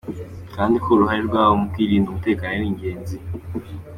Kandi ko uruhare rwabo mu kwirindira umutekano ari ingenzi.